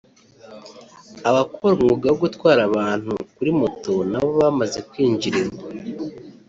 abakora umwuga wo gutwara abantu kuri moto nabo bamaze kwinjirirwa